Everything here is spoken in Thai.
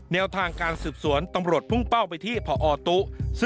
แนวทางการสืบสวนตำรวจพุ่งเป้าไปที่พอตุ